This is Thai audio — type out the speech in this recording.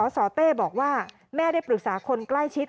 สเต้บอกว่าแม่ได้ปรึกษาคนใกล้ชิด